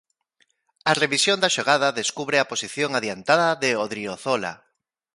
A revisión da xogada descubre a posición adiantada de Odriozola.